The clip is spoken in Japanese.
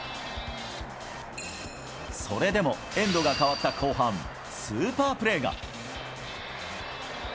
それでも、エンドが変わった後半、スーパープレーが。